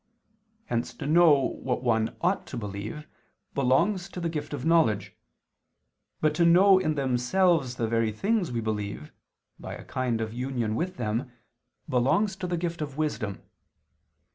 Hence to know what one ought to believe, belongs to the gift of knowledge, but to know in themselves the very things we believe, by a kind of union with them, belongs to the gift of wisdom.